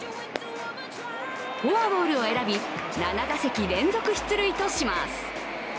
フォアボールを選び、７打席連続出塁とします。